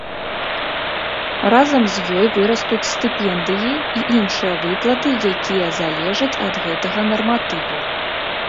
Разам з ёй вырастуць стыпендыі і іншыя выплаты, якія залежаць ад гэтага нарматыву.